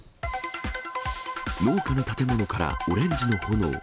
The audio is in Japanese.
農家の建物からオレンジの炎。